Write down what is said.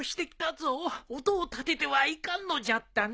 音を立ててはいかんのじゃったな。